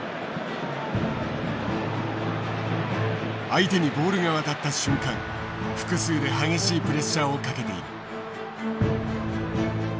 相手にボールが渡った瞬間複数で激しいプレッシャーをかけている。